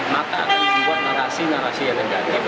maka akan dibuat narasi narasi yang negatif